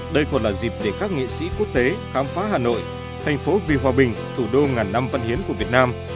đây còn là dịp để các nghệ sĩ quốc tế khám phá hà nội thành phố vì hòa bình thủ đô ngàn năm văn hiến của việt nam